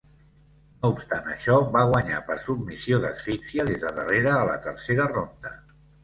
No obstant això, va guanyar per submissió d'asfixia des de darrera a la tercera ronda.